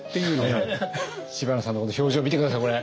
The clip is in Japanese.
知花さんのこの表情見て下さいこれ。